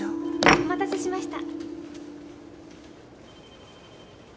お待たせしました。